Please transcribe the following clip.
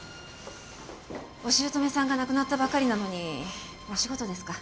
お姑さんが亡くなったばかりなのにお仕事ですか？